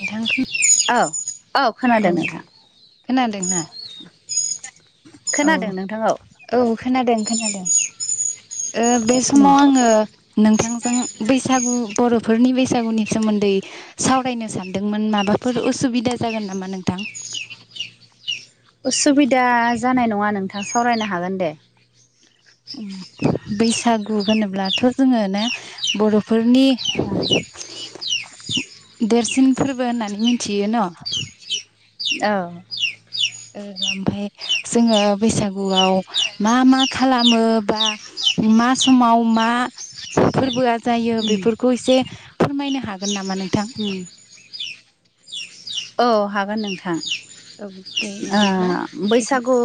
नोंथांखौ औ औ खोनादों नोंथां खोनादोंना औ खोनादों नोंथां औ औ खोनादों खोनादों बे समाव आङो नोंथांजों बैसागु बर'फोरनि बैसागुनि सोमोन्दै सावरायनो सानदोंमोन माबाफोर उसुबिदा जागोन नामा नोंथां उसुबिदा जानाय नङा नोंथाङा सावरायनो हागोन दे बैसागु होनोब्लाथ' जोङो ना बर'फोरनि देरसिन फोरबो होननानै मिथियो न' औ ओमफफ्राय जोङो बैसागुआव मा मा खालामो बा मा समाव मा फोरबोआ जायो बेफोरखौ एसे फोरमायनो हागोन नामा नों होम औ हागोन नोंथां औ दे बिदिब्ला एसे बैसागु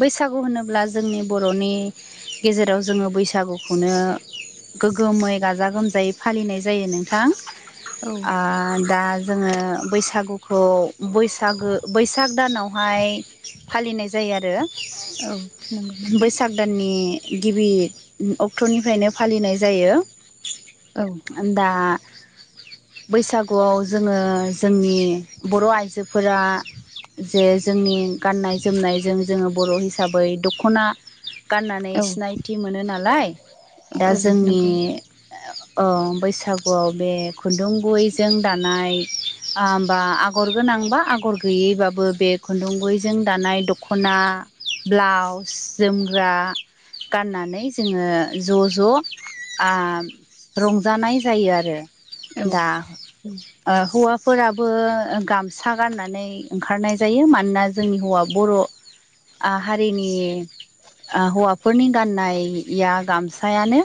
बैसागु होनोब्ला जोंनि बर'नि गेजेराव जोङो बैसागुखौनो गोगोमै गाजा गोमजायै फालिनाय जायो नोंथां औ दा जोङो बैसागुखौ बैसागो बैसाग दानावहाय फालिनाय जायो आरो औ नंगौ नोंथां सागदाननि गिबि अक्ट'निफ्रायनो फालिनाय जायो औ दा बैसागुआव जोङो जोंनि बर' आइजोफोरा जे जोंनि गाननाय जोमनायजों जोङो बर' हिसाबै दख'ना गाननानै औ सिनायथि मोनो नालाय दा औ जोंनि नंगौ औ बैसागुआव बे खुन्दुं गुबैजों दा नाय आमबा आगर गोनांबा आगर गैयैबाबो बे खुन्दुं गुबैजों दानाय दख खना ब्लाउस जोमग्रा गाननानै जोङो ज' ज' आ रंजानाय जायो आरो औ दा औ हौवाफोराबो गामसा गाननानै ओंखारनाय जायो मानोना जोंनि हौवा बर' हारिनि हौवाफोरनि गाननाया गामसायानो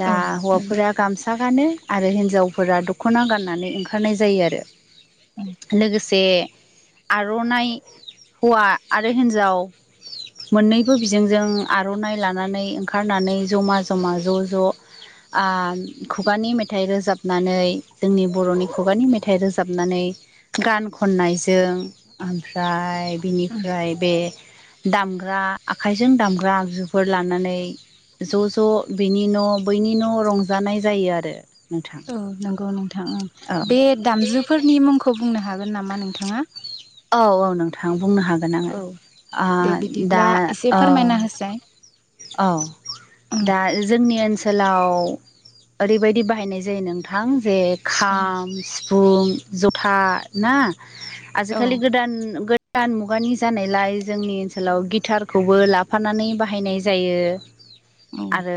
दा औ नंगौ हौवाफोरा गामसा गानो आरो हिनजावफोरा दख'ना गान नानै ओंखारनाय जायो आरो लोगोसे आर'नाइ हौवा आरो हिन्जाव मोननैबो बिजोंजों आर'नाइ लानानै ओंखारनानै जमा जमा ज' ज' खुगानि मेथाइ रोजाबनानै जोंनि बर'नि खुगानि मेथाइ रोजाबनानै गान खननायजों ओमफ्राय बिनिफ्राय बे दामग्रा आखाइजों दामग्रा आगजुफोर लानानै ज' ज' बिनि न' बैनि न' रंजानाय जायो आरो नोंथां। औ नंगौ नोंथांओं औ बे दामजुफोरनि मुंखौ बुंनो हागोन नामा नोंथाङा? औ औ नोंथां बुंनो हागोन आङो औ दे दा बिदिब्ला एसे औ फोरमायना होसाय औ ओं दा जोंनि ओनसोलाव ओरैबायदि बाहायनाय जायो नोंथां जे औ खाम सिफुं जथा ना [inaudible] आजिखालि गोदान गोद दान मुगानि जानायलाय जोंनि ओनसोलाव गिटारखौबो लाफानानै बाहायनाय जायो औ आरो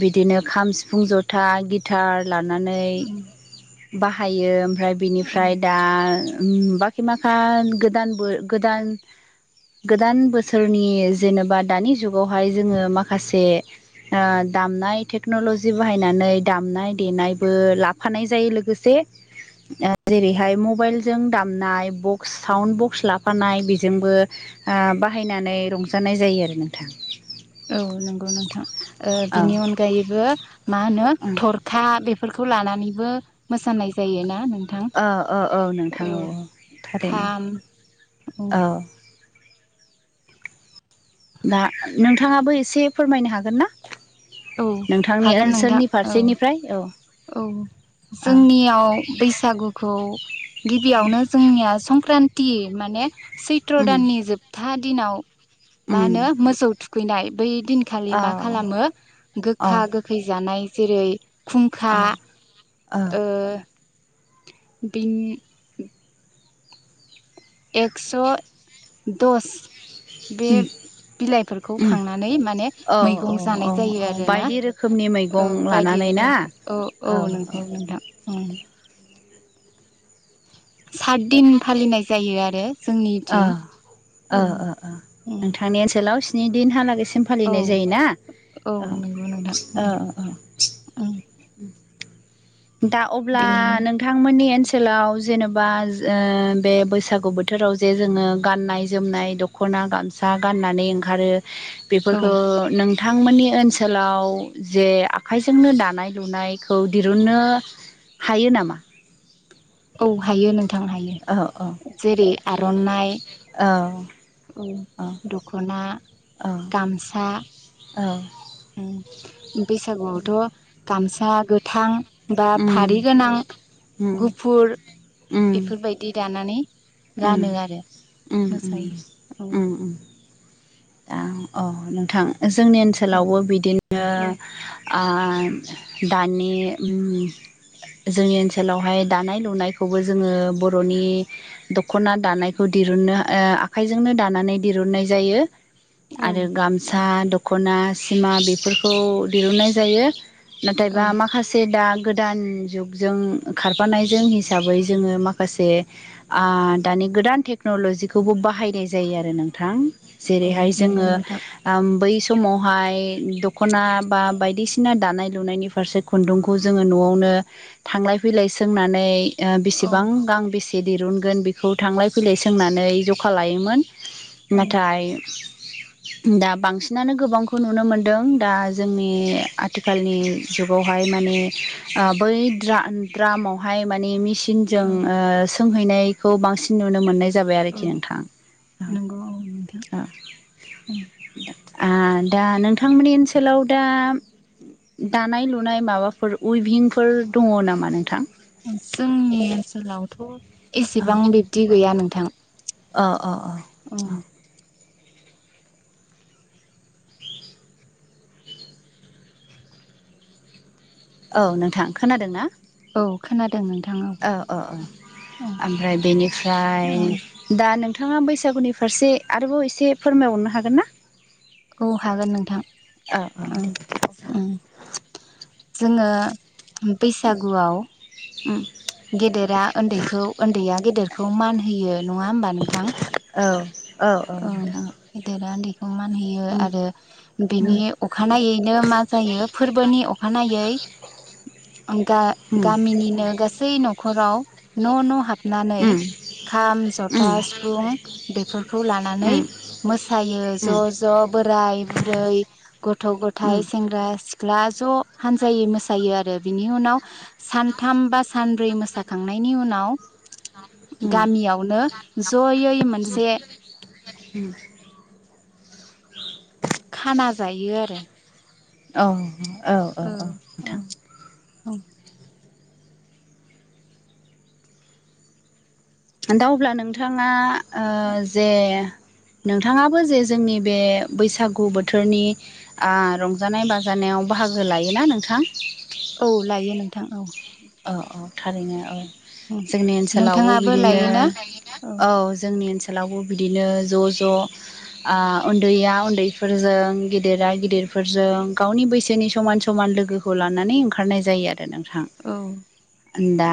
बिदिनो खाम सिफुं जथा गिटार लानानै बाहायो ओमफ्राय बिनिफ्राय दा बाखि माखा गोदानबो गोदान गोदान बोसोरनि जेनेबा दानि जुगावहाय जोङो माखासे दामनाय टेक्न'लजि बाहायनानै दामनाय देनायबो ला फानाय जायो लोगोसे जेरैहाय मबाइलजों दामनाय बक्स साउन्ड बक्स लाफानाय बेजोंबो बाहायनानै रंजानाय जायो आरो नोंथां औ नंगौ नोंथां औ बिनि अनगायैबो मा होनो थर खा बेफोरखौ लानानैबो मोसानाय जायोना नोंथां औ औ नोंथां औ थारैनो खाम उम औ दा नोंथाङाबो एसे फोरमायनो हागोन ना औ नोंथांनि हागोन नोंथां ओनसोलनि औ फारसेनिफ्राय औ औ औ जोंनियाव बैसागुखौ गिबियावनो जोंनिया संक्रान्ति माने सैत्र उम दाननि जोबथा दिनाव मा उम होनो मोसौ थुखैनाय बै दिनखालि औ मा खालामो गोखा गोखै खैजानाय जेरै खुंखा अ औ ओ बिनि एक्स' दस बे बिलाइफोरखौ उम खांनानै माने औ औ मैगं औ जानाय जायो औ आरो ना बायदि रोखोमनि औ मैगं बायदि लानानै ना रोखोमै औ औ नोंगौ नोंथां सात दिन फालिनाय जायो आरो जोंनिथिं औ ओ ओ औ ओ नोंथांनि ओनसोलाव स्नि दिनहालागैसिम औ फालिनाय जायोना औ औ औ उम दा अब्ला नों बिनिनो नोंथांमोननि ओनसोलाव जेनेबा बे बैसागु बोथोराव जे जोङो गाननाय जोमनाय दख दख'ना गामसा गाननानै ओंखारो औ बेफोरखौ नोंथांमोननि ओनसोलाव जे आखाइजोंनो दानाय लुनायखौ दिरुन नो हायो नामा? औ हायो नोंथां औ औ हायो जेरै आर'नाइ औ अ। दख'ना औ गामसा औ। उम बैसागुआवथ' गामसा गोथां बा उम फारि गोनां उम गुफुर उम इफोरबायदि दानानै उम उम गानो आरो उम उम मोसायो दा अह नोंथां जोंनि औ ओनसोलावबो बिदिनो औ आ दानि उम जोंनि ओनसोलावहाय दानाय लुनायखौबो जोङो बर'नि दख'ना दानायखौ दिरुननो ओ आखाइजोंनो दानानै दिरुननाय जायो। आरो औ गामसा दख'ना सिमा बेफोरखौ दिरुननाय जायो औ नाथायबा माखा से दा गोदान जुगजों खारफानायजों हिसाबै जोङो माखासे ओ दानि गोदान टेक्न'लजिखौबो बाहायनाय जायो आरो नोंथां औ जेरैहाय नंगौ जोङो नोंथां बै समावहाय दख'ना बा बायदिसिना दानाय लुनायनि फारसे खुन्दुंखौ जोङो न'आवनो थांलाय फैलाय सोंनानै ओ औ बेसेबां गां बेसे दिरुनगोन बेखौ थांलाय फैलाय सोंनानै जखा लायोमोन। औ नाथाइ दा बांसिनानो गोबांखौ नुनो मोनदों दा जोंनि आथिखालनि जुगावहाय माने ओ बै द्रा द्रामावहाय माने मि सिनजों औ सोंहैनायखौ बांसिन नुनो मोननाय जाबाय आरोखि औ नोंथां नंगौ औ नोंथां दा नोंथांमोननि ओनसोलाव दा दानाय लुनाय माबाफोर उइभिंफोर दङ नामा नोंथां जोंनि ओनसोलावथ' एसेबां बिब्दि गैया नोंथां अ अ अ उम औ नोंथां खोनादों ना? औ खोनादों नोंथां औ औ औ औ ओमफ्राय औ बेनिफ्राय? दा नोंथाङा बैसागुनि फारसे आरोबाव एसे फोरमायहरनो हागोन ना? औ हागोन नोंथां औ औ ओं दे ओं जोङो बैसागुआव उम गेदेरा उन्दैखौ, उन्दैया गेदेरखौ मान होयो नङा होमबा नोंथां? औ औ औ ओं नोंथां गेदेरा उन्दैखौ मानहैयो उम आरो बिनि उम अखानायैनो मा जायो फोरबोनि अखानायै आं दा उम गामिनिनो गासै न खराव न' न' हाबनानै उम खाम जथा उम सिफुं बेफोर खौ लानानै मोसायो उम ज' ज' बोराय बुरै उम गथ'-गथाइ सेंग्रा-सिख्ला ज' हानजायै मोसायो आरो बिनि उनाव सानथाम बा सानब्रै मोसाखांनायनि उनाव उम गामियावनो जयै मोनसे [unintelligible] खाना जायो आरो औ औ। ओ औ ओं नोंथां औ। दा अब्ला नोंथाङा ओ जे नोंथाङाबो जे जोंनि बे बैसागु बोथोरनि रंजानाय बाजानायाव बाहागो लायोना नोंथां? औ लायो नोंथां औ औ औ थारैनो औ जोंनि ओनसोलावबो नोंथाङाबो बिदिनो लायोना औ जोंनि ओनसो [unintelligible] बिदिनो ज' ज' उन्दैया उन्दैफोरजों गिदिरा गिदिरफोरजों गावनि बैसोनि समान समान लोगो खौ लानानै ओंखारनाय जायो आरो नोंथां औ दा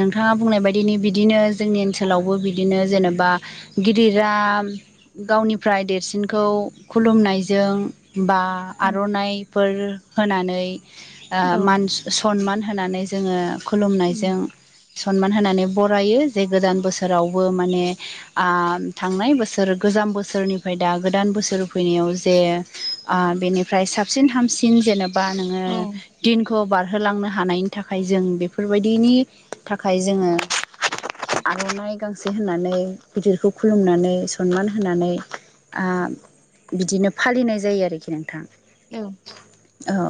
नोंथाङा बुंनाय बायदिनि बिदिनो जोंनि ओनसोलावबो बिदिनो जेनेबा गिदिरा गावनिफ्राय देरसिनखौ खुलुमनायजों बा आर'नाइफोर होनानै औ। मान सनमान होनानै जोङो उम खुलुमनायजों सनमान होनानै बरायो जे गोदान बोसोरावबो माने थांनाय बोसोर गोजाम बोसोरनिफ्राय दा गोदान बोसोर फैनायाव जे बेनिफ्राय साबसिन हामसिन जेनेबा नोङो औ दिनखौ बार होलांनो हानायनि थाखाय जों बेफोरबायदिनि थाखाय जोङो आर'नाइ गांसे होनानै गिदिरखौ खुलुमनानै सनमान होनानै बिदिनो फालिनाय जायो आरोखि नोंथां औ। औ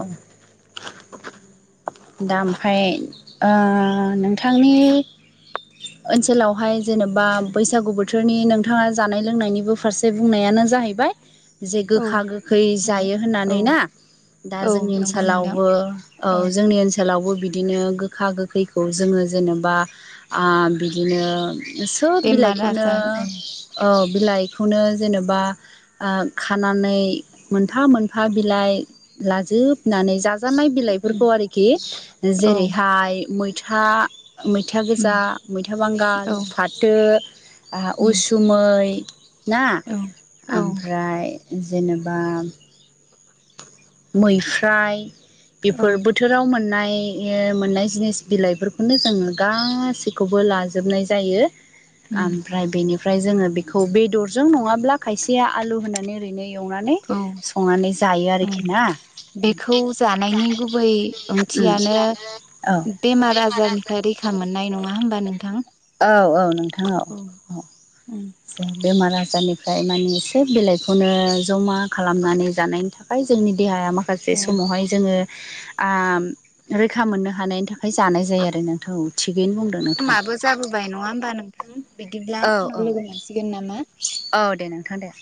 दा ओमफ्राय नोंथांनि ओनसोलावहाय जेन'बा बैसागु बोथोरनि नोंथाङा जानाय लोंनायनिबो फारसे बुंनायानो जाहैबाय जे गोखा-गोखै नंगौ जायो औ होननानै ना दा औ जोंनि नंगौ नोंथां ओनसोलावबो औ जोंनि ओनसोलावबो बिदिनो गोखा-गोखैखौ जोङो जेनेबा बिदिनो सोब बेमार बिलाइखौनो आजार औ औ बिलाइखौनो जेनेबा ओ खानानै मोनफा-मोनफा बिलाइ लाजोबनानै जाजाय बे फोरखौ आरोखि औ जेरैहाय मैथा मैथा उम गोजा मैथा बांगाल, औ फाथो उम उसु मै ना औ औ ओमफ्राय जेनेबा मैफ्रायाय औ बेफोर बोथो बोथोराव मोननाय मोननाय जिनिस बिलाइफोरखौनो जोङो गासैखौबो लाजोब जोबनाय जायो। उम ओमफ्राय बेनिफ्राय जोङो बेखौ बेदरजों नङाब्ला खायसेया आलु होनानै ओरैनो एवनानै औ संनानै जायो आरोखि ना बेखौ जानायनि गुबै ओंथियानो औ बेमार आजारनिफ्राय रैखा मोननाय नङा होमबा नोंथां? औ औ नोंथां औ औ उम बेमार आजारनिफ्राय माने सोब बिलाइखौनो जमा खालामनानै जानायनि थाखाय जोंनि देहाया माखासे ओ समावहाय जोङो रैखा मोननो हानायनि थाखाय जानाय जायो आरो नोंथ' थिगैनो बुं समाबो जाबोबाय नङा होमबा नोंथां बिदिब्ला औ उनाव औ लोगो मोनसिगोन नामा? औ दे नोंथां दे